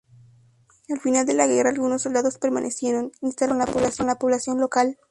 Al final de la guerra algunos soldados permanecieron, instalándose con la población local.